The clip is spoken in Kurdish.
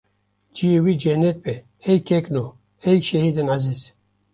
ciyê we cennet be ey kekno, ey şehîdên ezîz.